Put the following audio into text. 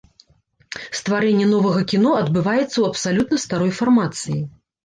Стварэнне новага кіно адбываецца ў абсалютна старой фармацыі.